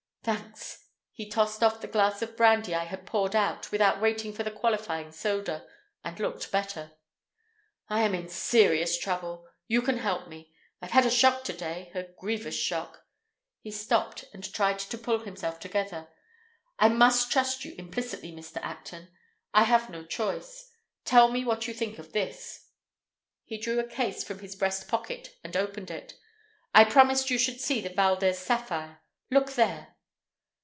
Thanks." He tossed off the glass of brandy I had poured out without waiting for the qualifying soda, and looked better. "I am in serious trouble. You can help me. I've had a shock to day—a grievous shock." He stopped and tried to pull himself together. "I must trust you implicitly, Mr. Acton, I have no choice. Tell me what you think of this." He drew a case from his breast pocket and opened it. "I promised you should see the Valdez sapphire. Look there!"